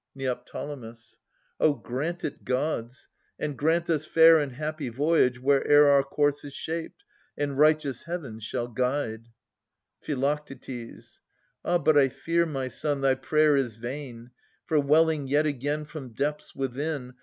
Neo. O grant it, Gods! And grant us fair and happy voyage, where'er Our course is shaped and righteous Heaven shall guide. Phi. Ah ! but I fear, my son, thy prayer is vain : For welling yet again from depths within.